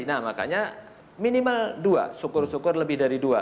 nah makanya minimal dua syukur syukur lebih dari dua